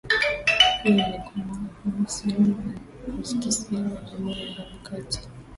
Pia ilikuwa na mahusiano ya kisiri na jumuiya ya Harakati